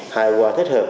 hài hòa thích hợp